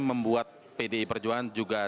membuat pdi perjuangan juga